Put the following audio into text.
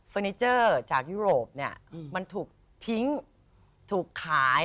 นิเจอร์จากยุโรปเนี่ยมันถูกทิ้งถูกขาย